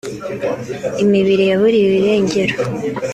imibiri yaburiwe irengero